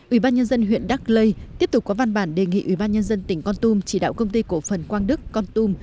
ủy ban nhân dân huyện đắc lây tiếp tục có văn bản đề nghị ủy ban nhân dân tỉnh con tum chỉ đạo công ty cổ phần quang đức con tum